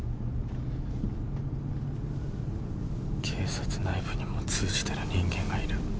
警察内部にも通じてる人間がいる。